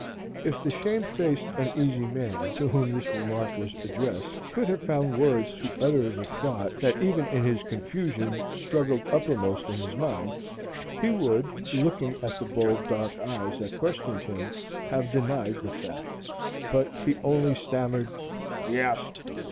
If the shamefaced uneasy man to whom this remark was addressed could have found words to utter the thought that even in his confusion struggled uppermost in his mind, he would, looking at the bold, dark eyes that questioned him, have denied the fact. But he only stammered, "Yes."